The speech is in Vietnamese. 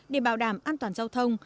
để bảo đảm an toàn giao thông